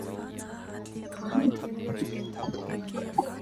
Ram vaih a duh.